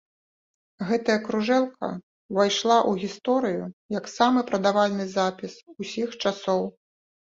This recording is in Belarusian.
Гэтая кружэлка ўвайшла ў гісторыю як самы прадавальны запіс усіх часоў.